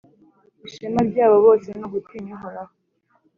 ishema ryabo bose ni ugutinya Uhoraho